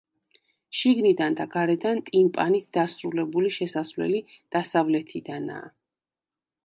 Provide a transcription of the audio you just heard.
შიგნიდან და გარედან ტიმპანით დასრულებული შესასვლელი დასავლეთიდანაა.